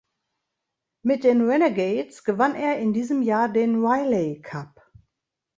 Mit den Renegades gewann er in diesem Jahr den Riley Cup.